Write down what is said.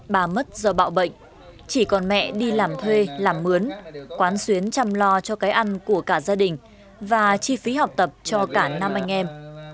bà mất do bạo bệnh chỉ còn mẹ đi làm thuê làm mướn quán xuyến chăm lo cho cái ăn của cả gia đình và chi phí học tập cho cả năm anh em